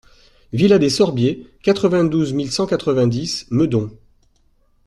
Villa des Sorbiers, quatre-vingt-douze mille cent quatre-vingt-dix Meudon